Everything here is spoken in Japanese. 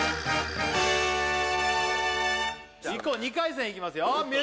２回戦いきます